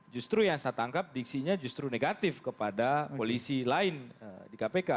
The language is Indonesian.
justru yang saya tangkap diksinya justru negatif kepada polisi lain di kpk